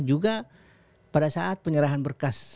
juga pada saat penyerahan berkas